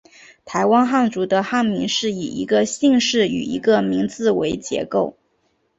台湾汉族的汉名是以一个姓氏与一个名字为结构。